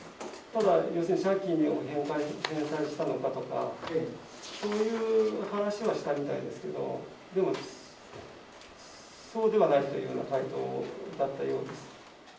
ただ借金を返済したのかとか、そういう話はしたみたいですけど、でも、そうではないというような回答だったようです。